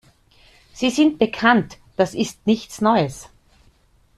Sie sind bekannt, das ist nichts Neues.